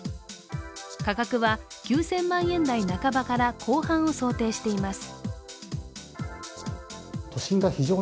価格は９０００万円台半ばから後半を想定しています。